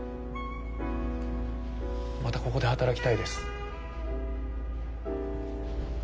またここで働きたいです。